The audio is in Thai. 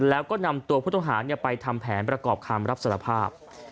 แล้วก็นำตัวผู้ต้องหาไปทำแผนประกอบคำรับสารภาพ